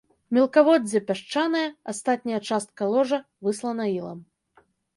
Мелкаводдзе пясчанае, астатняя частка ложа выслана ілам.